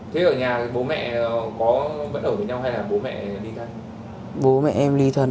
thế ở nhà bố mẹ có vẫn ở với nhau hay là bố mẹ ly thân